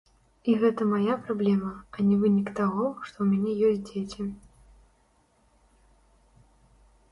І гэта мая праблема, а не вынік таго, што ў мяне ёсць дзеці.